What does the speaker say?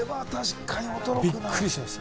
びっくりしました。